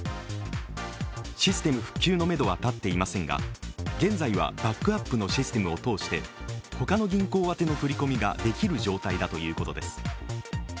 システム復旧のめどは立っていませんが現在はバックアップのシステムを通して他の銀行宛の振り込みができる状態だということです。